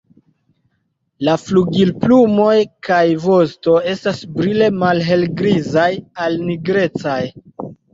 La flugilplumoj kaj vosto estas brile malhelgrizaj al nigrecaj.